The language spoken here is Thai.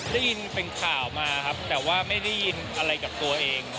ได้ยินเป็นข่าวมาครับแต่ว่าไม่ได้ยินอะไรกับตัวเอง